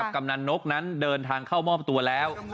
กำนันนกนั้นเดินทางเข้ามอบตัวแล้ว